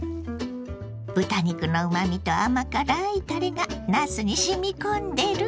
豚肉のうまみと甘辛いたれがなすにしみ込んでるわ。